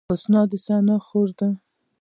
حسنا د ثنا خور ده